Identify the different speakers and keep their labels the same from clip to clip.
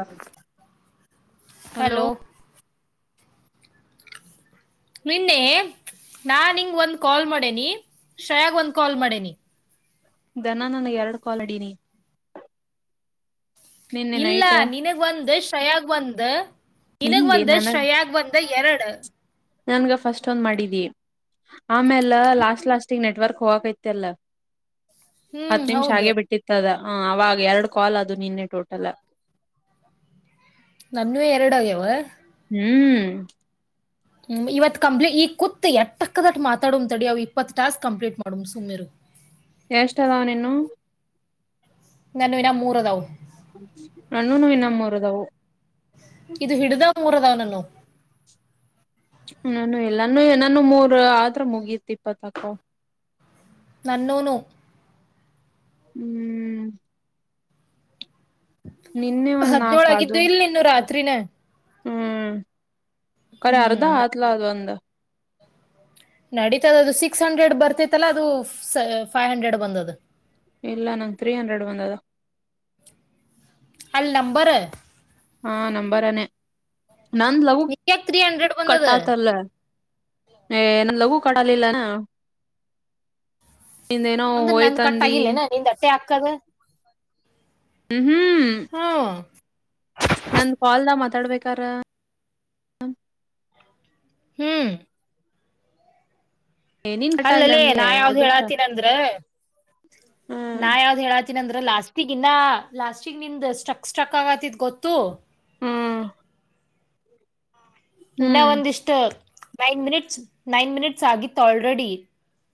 Speaker 1: [inaudible] Hello
Speaker 2: ನಿನ್ನೆ ನಾನ್ ಹಿಂಗ್ ಒಂದ್ ಕಾಲ್ ಮಾಡೇನಿ ಶ್ರಯಾಗ ಒಂದ್ ಕಾಲ್ ಮಾಡೇನಿ
Speaker 1: ದನ ನನ್ ಎರಡು ಕಾಲಡೀಿನಿ [unintelligible]
Speaker 2: ಇಲ್ಲ ನಿನಗ್ ಒಂದು ಶ್ರಯಾಗ್ ಬಂದು ನಿನಗ್
Speaker 1: ಇಲ್ಲಿ
Speaker 2: ಒಂದು
Speaker 1: ನನಗ್
Speaker 2: ಶ್ರಯಾಗ ಒಂದು [unintelligible] ಅ ಎರಡು
Speaker 1: ನನ್ಗ ಫಸ್ಟ್ ಒಂದ್ ಮಾಡಿದಿ [unintelligible] ಆಮೇಲ್ಲ ಲಾಸ್ಟ್ ಲಾಸ್ಟಗ್ ನೆಟ್ವರ್ಕ್ ಹೋಗಾಯಿತ್ತಲ್ಲ
Speaker 2: ಹ್ಮ್
Speaker 1: ಹತ್ತು ನಿಮಿಷ
Speaker 2: ಹೌದು
Speaker 1: ಹಾಗೆ ಬಿಟ್ಟಿತ್ತದ ಹ ಅವವಾಗ ಎರಡು ಕಾಲ್ ಅದು ನಿನ್ನೆ ಟೋಟಲ
Speaker 2: ನನ್ವು ಎರಡುಗ್ಯವ
Speaker 1: ಹ್ಮ್
Speaker 2: ಹ್ಮ್ ಇವತ್ ಕಂಪ್ ಈ ಕೂತ್ ಎಟ್ಟಕ್ಕದಟ್ಟ ಮಾತಾಡಂಂತಡಿ ಅವವು ಇಪ್ಪತ್ ಟಾಸ್ಕ್ ಕಂಪ್ಲೀಟ್ ಮಾಡ ಕಡ [unintelligible] ಸುಮಿರು
Speaker 1: ಎಷ್ಟ ಅದಾವ ನೀನು [unintelligible]
Speaker 2: ನಾನುವು ಇನೂ ಮೂರುದಾವು
Speaker 1: ನ್ಣೂನು ಇನ್ನ ಮೂರುದವು
Speaker 2: ಮೂರದಾವಣ್ಣು [unintelligible]
Speaker 1: ನಾನು ಇಲ್ಲಾನು ನಾನು ಮೂರ್ ಆದ್ರ ಮುಗಿತಿ ಇಪ್ಪತ್ತಕೋ [unintelligible]
Speaker 2: ನನ್ನೋನು
Speaker 1: ಹ್ಮ್ ನಿನ್ನೆ ಒಂದ್
Speaker 2: ಹದ್
Speaker 1: ನಾಕ್
Speaker 2: ನ್ಯೋಳ್
Speaker 1: ಅದು
Speaker 2: ಆಗಿದ್ದು ಇಲ್ ನೀನು ರಾತ್ರಿನೇ.
Speaker 1: ಹ್ಮ್ ಕಡೆ ಅರ್ಧ ಹತ್ಲ ಅದು ಒಂದು.
Speaker 2: ನಡೀತದ ಅದು ಸಿಕ್ಸ್ ಹಂಡ್ರೆಡ್ ಬರ್ತಿತ್ತಲ್ಲ ಅದು ಫೈವ್ ಹಂಡ್ರೆಡ್ ಬಂದದು.
Speaker 1: ಇಲ್ಲ ನಂಗ್ ತ್ರೀ ಹಂಡ್ರೆಡ್ ಬಂದದ.
Speaker 2: ಅಲ್ಲ್ ನಂಬರ.
Speaker 1: ಹಾ ನಂಬರನೇ ನಂದ ಲವ
Speaker 2: ನಿಕ್ಯಾಕ್ ತ್ರೀ ಹಂಡ್ರೆಡ್ ಬಂದದ
Speaker 1: ಕಟ್ ಆತಲ್ಲ. ಹಏ ನಂದ್ ಲಘು ಕಡಾಲಲ್ಲ ನ.
Speaker 2: ಅಂದ್ರೆ ನಂದ ಕಟ್ಟ ಆಗಿಲ್ಲೇನ ನಿಂದಟ್ಟೆ ಹಾಕದ.
Speaker 1: ಹ್ಮ್
Speaker 2: ಹ್ಮ್
Speaker 1: ನಂದು ಕಾಲ್ದ ಮ [unintelligible] ತಡ್ಬೇಕಾರ.
Speaker 2: ಹ್ಮ್
Speaker 1: ನೀನ್ ಕಟ್ ಆಗ್ಲ
Speaker 2: ಅಲ್ಲಲ್ಲಿ ನಾ
Speaker 1: ಅನ್ಲೆ
Speaker 2: ಯಾವ್ದ್
Speaker 1: ಅದಕ್ಕ
Speaker 2: ಹೇಳಾತೀನ ಅಂದ್ರೆ
Speaker 1: ಹ್ಮ್
Speaker 2: ನಾ ಯಾವ್ದ್ ಹೇಳತ [unintelligible] ನಂದ್ರ ಲಾಸ್ಟವೀಕಿಂದ ಲಾಸ್ಟ್ ವೀಕ್ ನಿಂದು ಸ್ಟಕ್ ಸ್ಟಕ್ ಆಗತಿದ್ ಗೊತ್ತು.
Speaker 1: ಹ್ಮ್
Speaker 2: ಇನ್ನ
Speaker 1: ಹ್ಮ್
Speaker 2: ಒಂದಿಷ್ಟ ನೈನ್ ಮಿನಿಟ್ಸ್ ನೈನ್ ಮಿನಿಟ್ಸ್ ಆಗಿತ್ತು ಆಲ್ರೆಡಿ.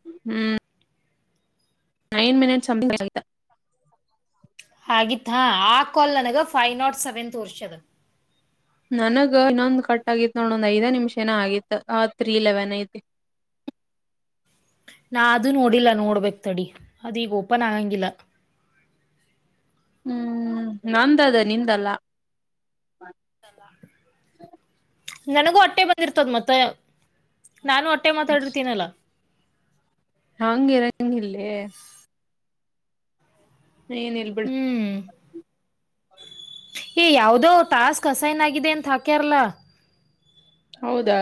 Speaker 1: ಹ್ಮ್ ನೈನ್ ಮಿನಿಟ್ಸ್ [unintelligible] ಅಗಿತ್ತ.
Speaker 2: ಆಗಿತ್ತಾ ಆ ಕಾಲ್ ನನಗ ಫೈವ್ ನಾಟ್ ಸೆವೆನ್ ತೊರ್ಸದ.
Speaker 1: ನನಗ ಇನ್ನೊಂದ್ ಕಟ್ ಆಗಿತ್ತು ನೋಡ ಒಂದ್ ಐದೇ ನಿಮಿಷ ಎನ ಆಗಿತ್ ಆ ತ್ರೀ ಇಲೆವೆನ್ ಐತಿ.
Speaker 2: [inaudible] ನಾ ಅದು ನೋಡಿಲ್ಲ ನೋಡ್ಬೇಕ್ ತಡಿ ಅದೀಗ ಓಪನ್ ಆಗಂಗಿಲ್ಲ.
Speaker 1: ಹ್ಮ್ ನಂದದು ನಿಂದಲ್ಲ.
Speaker 2: ಲ್ [inaudible]
Speaker 1: [inaudible]
Speaker 2: ನನಗೂ ಅಟ್ಟೆ ಬಂದಿರ್ತದ ಮತ್ತೆ ನಾನು ಅಟ್ಟೆ ಮಾತಾಡಿರ್ತೀನಲ್ಲ.
Speaker 1: ಹಾಂಗಗೆರಂಗಿಲ್ಲೇ. ಏನ್ ಇಲ್ಬಿಡು.
Speaker 2: ಹ್ಮ್ ಏ ಯಾವದೋ ಟಾಸ್ಕ್ ಅಸೈನ್ ಆಗಿದೆ ಅಂತ ಹಾಕ್ಯಾರಲ್ಲ.
Speaker 1: ಹೌದಾ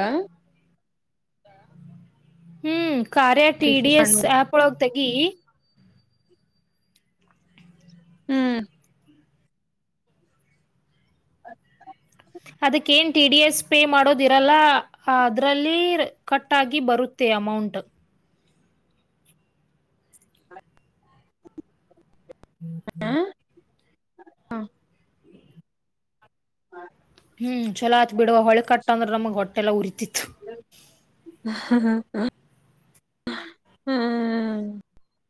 Speaker 2: ಹ್ಮ್ ಕಾರ್ಯ ಟಿ ಡಿ
Speaker 1: ರಿಫ್ರೆಶ್
Speaker 2: ಎಸ್
Speaker 1: ಮಾಡ್ಬೇಕ್
Speaker 2: ಆಪ್ ಒಳಗ್ ತೆಗಿ.
Speaker 1: ಹ್ಮ್
Speaker 2: ಅದಕ್ಕೇನ್ ಟಿ ಡಿ ಎಸ್ ಪೇ ಮಾಡೋದಿರಲ್ಲ ಅದ್ರಲ್ಲಿ ಕಟ್ ಆಗಿ ಬರುತ್ತೆ. ಅಮೌಂಟ್
Speaker 1: ಹಾ ಹಾ ಹಾ
Speaker 2: ಹ್ಮ್ ಚಲೋ ಆತ್ ಬಿಡುವ ಹೊಳೆ ಕಟ್ಟ್ ಅಂದ್ರೇ ನಮಗ ಹೊಟ್ಟೆಲ್ಲ ಉುರಿತಿತ್ತು.
Speaker 1: ಹ ಹ
Speaker 2: [inaudible]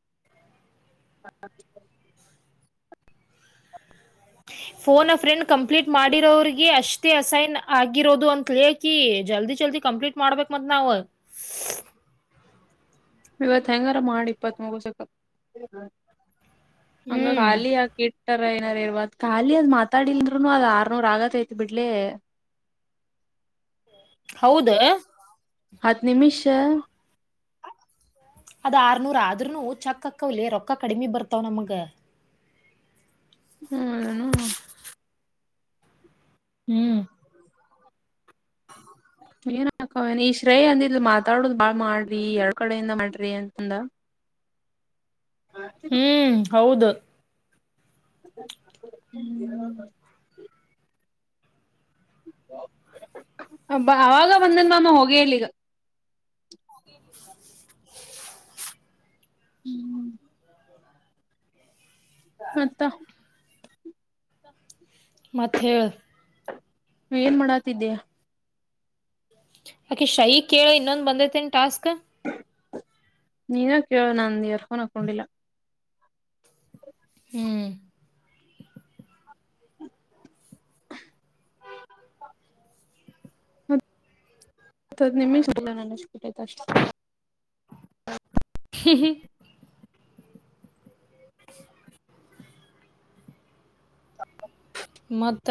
Speaker 1: [inaudible]
Speaker 2: ಹ್ಮ ಫೋನ್ ಆ ಫ್ರೆಂಡ್ ಕಂಪ್ಲೀಟ್ ಮಾಡಿರೋರಿಗೆ ಅಷ್ಟೇ ಅಸೈನ್ ಆಗಿರೋದು ಅಂತಲೇಕಿ ಜಲ್ದಿ ಜಲ್ದಿ. ಕಂಪ್ಲೀಟ್ ಮಾಡ್ಬೇಕ ಮತ್ ನಾವು.
Speaker 1: ಇವತ್ ಹೆಂಗಾರ ಮಾಡಿ ಇಪ್ಪತ್ ಮೂಗಸಕ. ಹಂಗ
Speaker 2: ಹ್ಮ್
Speaker 1: ಖಾಲಿ ಹಾಕಿ ಇಡ್ತಾರೆ. ಇವತ್ ಖಾಲಿ ಅದ್ ಮಾತಾಡಿಲ್ರುನು ಅದ್ ಆರ್ನೂರ್ ಆಗತೈತ್ ಬಿಡ್ಲೆ.
Speaker 2: ಹ ಹೌದಾ
Speaker 1: ಹತ್ತು ನಿಮಿಷ.
Speaker 2: ಅದ್ ಆರ್ನೂರ ಆದರೂನು ಚಕ್ಕ ಅಕ್ಕವ್ಲೆ ರೊಕ್ಕ ಕಡಿಮಿ ಬರ್ತಾವ್ ನಮಗ.
Speaker 1: ಹ್ಮ್ಣ
Speaker 2: ಹ್ಮ್
Speaker 1: ಏನ್ಕವ ಈ ಶ್ರೇಯ ಅಂದಿದ ಮಾತಾಡುದು ಬಾಳ್ ಮಾಡ್ರಿ ಎರ ಕಡೆಯಿಂದ ಮಾಡ್ರಿ ಅಂತಂದ
Speaker 2: ಹ್ಮ್ ಹೌದು
Speaker 1: ಹ್ಮ ಬ ಅವಾಗ ಬಂದಿನ ನಾನ ಹೋಗಿಲಿ ಈಗ
Speaker 2: ಹ
Speaker 1: ಹ್ಮ್ ಹ್ಮ್ ಮತ್ತ
Speaker 2: ಮಥೇ
Speaker 1: ನೀ ಏನ್ ಮಾಡಾತಿದೀಯಾ
Speaker 2: ಯಾಕೆ ಶೈ ಕೇಳ ಇನ್ನೊಂದು ಬಂದೇತೆೇನ ಟಾಸ್ಕ್
Speaker 1: ನೀನ ಕ ನಂದ ಇಯರ್ಫೋನ್ ಹಾಕೊಂಡಿಲ್ಲ
Speaker 2: ಹ್ಮ್
Speaker 1: ಮದದು ನಿಮಗ್ ಹಲ ನನ್ನ ಅಷ್ಟು ಬಿಿಟ್ಟೈತ ಅಷ್ಟ
Speaker 2: ಹ್ಮ ಹ ಮತ್ತ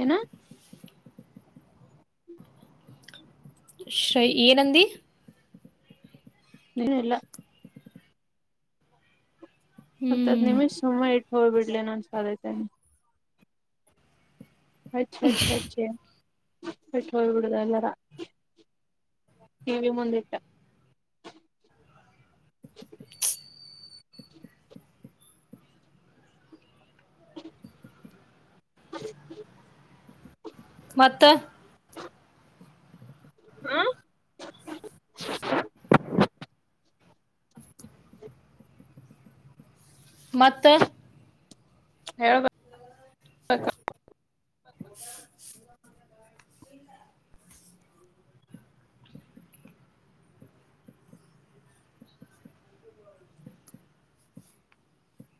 Speaker 1: ಏನು ಹ
Speaker 2: ಶ್ರ ಏನಂದ
Speaker 1: ನೀಲ್ಲ ಹತ್ತದ್
Speaker 2: ಹ್ಮ್
Speaker 1: ನಿಮಿಷ್ ಸುಮ ಇಟ್ಟು ಹೋಗ್ಬ ಬಿಡ್ಲನೊಂದ್ಸಧೈತೇನೆ ಅ ಅ ಅೆ ಪಠಬಡದಲ್ಲರ ಟಿ ವಿ ಮುಂದಿಟ್ಟ
Speaker 2: ಹ
Speaker 1: ಹ
Speaker 2: ಮತ್ತೆ
Speaker 1: ಹಾ
Speaker 2: ಮ
Speaker 1: ಹೇಳ್ಬೇಕ
Speaker 2: ಹ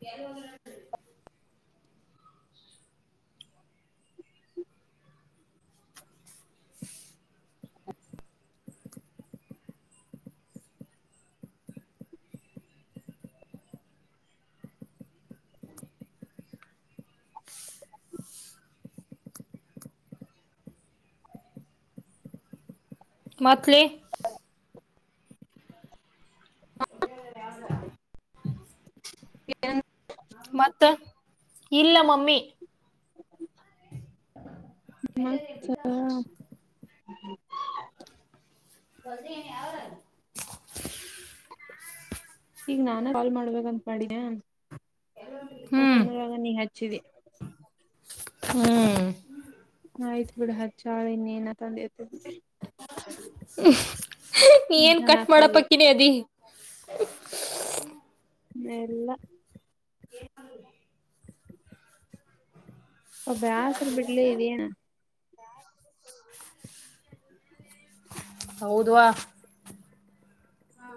Speaker 2: ಯಾರ ಹಾಗರ ಮೆ ಹ ಮತ್ತ ಇಲ್ಲ ಮಮ್ಮಿ
Speaker 1: ಮ
Speaker 2: ಹೊಸನ ಯಾರ
Speaker 1: ಈಗ ನಾನ ಕಾಲ್ ಮಾಡ್ಬೇಕಂತ
Speaker 2: ಹ್ಮ್
Speaker 1: ಮಾಡಾಡ ನೀ ಚರಿ
Speaker 2: ಹ್ಮ್
Speaker 1: ತ್ ಬಿಡ ಹ ಚಾಳೆನನತತ
Speaker 2: ಹ್ಮ ಏನ್
Speaker 1: ನನ
Speaker 2: ಕಟ್
Speaker 1: ಕಾಲಿ
Speaker 2: ಮಾಡಪಕ್ಕಿನಿ ಅದಿ
Speaker 1: ಎಲ್ಲ
Speaker 2: ಹ
Speaker 1: ಒಬ್ಬ ಹಸರು ಬಿಡ್ಲ ಇದ
Speaker 2: ಹೌದವಾ ಹಾ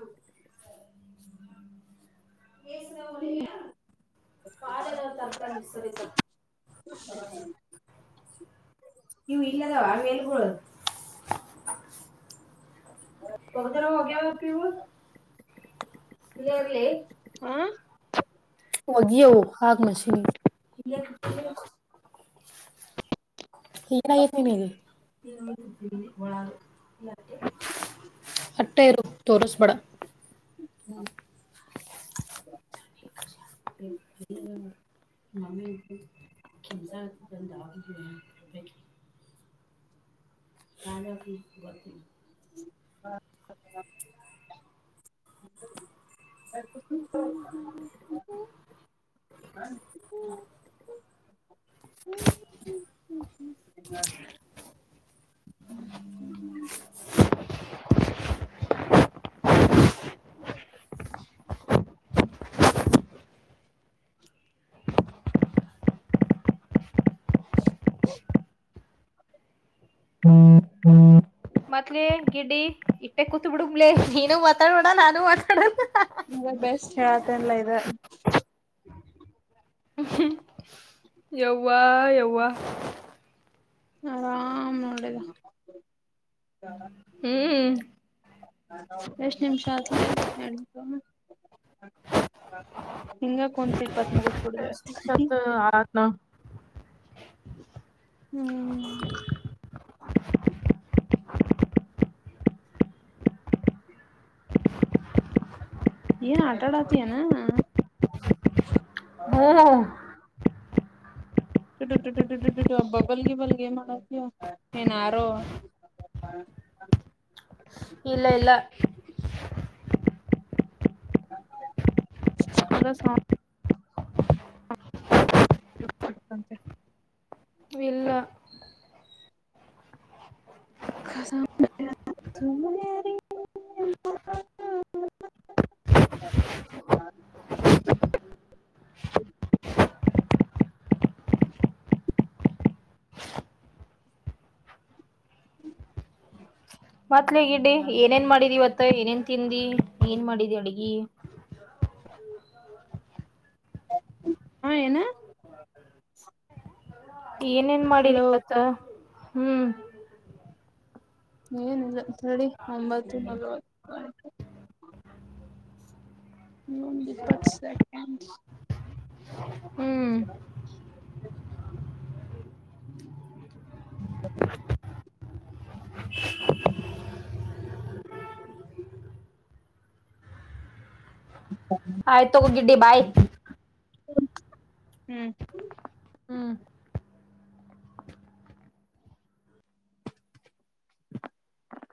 Speaker 2: ಪಾಲ ತರ್ತ ಮಿಸರಿ
Speaker 1: ಹ
Speaker 2: ನೀವು ಇಲ್ಲದಾವ ಆಮೇಲ್ ಕದು ಪಕ್ತರ ಮೋಗೆ ಪಿವುರ್ಲಿ
Speaker 1: ಹಾ
Speaker 2: ಹೋಗಿವು ಹಾಗಕ್ ಮಷಿನ್ ಗೆ [unintelligible] ಏನ್ ಆಗೈತ್ ನಿಮಿಗೆ ಅಟ್ಟೆ ಇರು ತೋರಿಸ್ಬಡ [unintelligible] [unintelligible] [unintelligible]
Speaker 1: [inaudible] [inaudible] [inaudible]
Speaker 2: [inaudible]
Speaker 1: [inaudible] [inaudible] [inaudible] [inaudible]
Speaker 2: [inaudible] ಮತ್ಲ ಗಿಡ್ಡಿ ಇಟ್ಟೇ ಕೂತ್ ಬಿಡುಮ್ಲೆ ನೀನು ಮಾತಾಡ್ಬೇಡ ನಾನು ಮಾತಾಡಲ್ಲ
Speaker 1: ಮದ ಬೆಸ್ಟ್ ಹೇಳತನ್ಲ್ಲ ಇದು
Speaker 2: ಯೌವಾ ಯೌವಾ
Speaker 1: ಆರಾಮ್ ನೋಡಿದ
Speaker 2: ಹ್ಮ್
Speaker 1: ಎಷ್ಟ್ ನಿಮಿಷತ್ ಲೆ ಹಿಂಗ ಕುಂತ ಇಪ್ಪತ್ ಮುಗಿಸ್ಬಿಡ್ದ
Speaker 2: ಎಸ್ಟ್ ನಿಮ್ಸ
Speaker 1: ಇವತ್
Speaker 2: ಆಯ್ತು ನೋಡ್ [inaudible]
Speaker 1: ಹ್ಮ್ ಏನ್ ಆಟಾ ಆಡಾತಿಯೆನ
Speaker 2: ಹ್ಮ್
Speaker 1: ಟಟ ಟ ಟಟ ಟಟ ಬಬಲ್ಗೆ ಬಲ್ಗೆ ಏ ಮಾಡತ ಏನ್ ಯಾರೋ [inaudible]
Speaker 2: ಇಲ್ಲ ಇಲ್ಲ
Speaker 1: [inaudible] [inaudible]
Speaker 2: ಇಲ್ಲ
Speaker 1: [unintelligible]
Speaker 2: [inaudible]
Speaker 1: [inaudible]
Speaker 2: ಮತ್ಲೇಗಿಡ್ಡಿ ಏನೇನ್ ಮಾಡಿದ ಇವತ್. ಮತ್ತ ಏನೇನ್ ತಿನ್ದಿ ಏನ್ ಮಾಡಿದಿ ಅಡ್ಗಿ.
Speaker 1: ಹಾ ಏನ
Speaker 2: ಏನೇನ್ ಮಾಡಿದಿ
Speaker 1: ಹಲೋ
Speaker 2: ಇವತ್ತು. ಹ್ಮ್
Speaker 1: ಏನಿಲ್ಲ ತಡಿ ಒಂಬತ್ತೂ ನಲ್ವತ್ ಹ್ಮ ಇಪ್ಪತ್ತು ಸೆಕೆಂಡ್
Speaker 2: ಹ್ಮ್
Speaker 1: ಹ್ಮ
Speaker 2: [unintelligible]
Speaker 1: ಹ್ಮ್ [inaudible]
Speaker 2: ಆಯ್ತು ತೋಗ ಗಿಡ್ಡಿ ಬಾಯ್
Speaker 1: ಹ್ಮ್
Speaker 2: ಹ್ಮ್